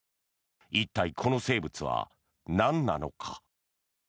一体、この生物はなんなのか。